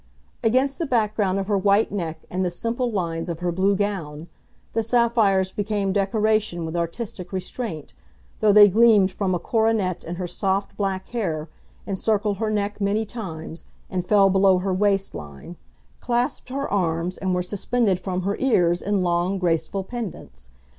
Against the background of her white neck and the simple lines of her blue gown, the sapphires became decoration with artistic restraint, though they gleamed from a coronet in her soft, black hair, encircled her neck many times and fell below her waist line, clasped her arms and were suspended from her ears in long, graceful pendants.